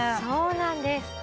そうなんです。